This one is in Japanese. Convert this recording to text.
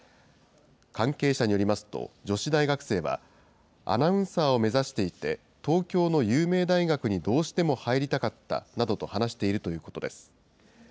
関係者によりますと、女子大学生は、アナウンサーを目指していて、東京の有名大学にどうしても入りたかったなどと話しているということです。